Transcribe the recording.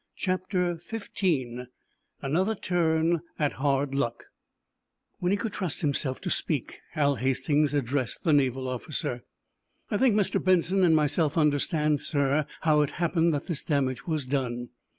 CHAPTER XV: ANOTHER TURN AT HARD LUCK When he could trust himself to speak Hal Hastings addressed the naval officer. "I think Mr. Benson and myself understand, sir, how it happened that this damage was done.